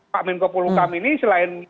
pak menko polhukam ini selain